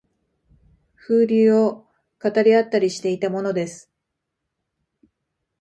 風流を語り合ったりしていたものです